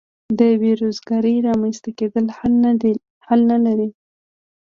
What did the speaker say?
د بې روزګارۍ رامینځته کېدل حل نه لري.